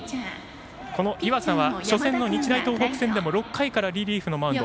この岩佐は初戦の日大東北戦でも６回からリリーフのマウンド。